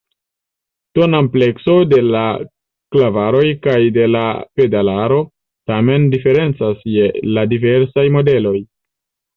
Tonamplekso de la klavaroj kaj de la pedalaro tamen diferencas je la diversaj modeloj.